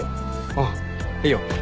あっいいよ。